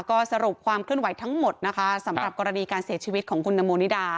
ก็สรุปความเคลื่อนไหวทั้งหมดนะคะสำหรับกรณีการเสียชีวิตของคุณตังโมนิดา